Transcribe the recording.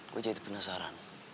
gue jadi penasaran